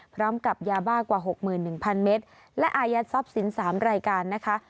พร้อมกับยาบ้ากว่าหกหมื่นหนึ่งพันเมตรและอายัดทรอบสินสามรายการนะคะ